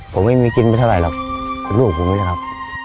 ผมไม่มีกินไม่เท่าไรหรอกลูกผมไม่ใช่ครับ